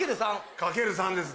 掛ける３です。